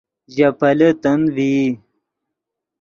ژے پیلے تند ڤئی